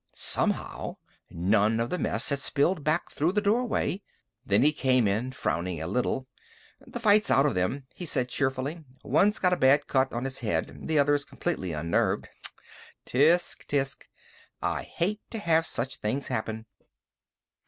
Somehow, none of the mess had spilled back through the doorway. Then he came in, frowning a little. "The fight's out of them," he said cheerfully. "One's got a bad cut on his head. The other's completely unnerved. Tsk! Tsk! I hate to have such things happen!"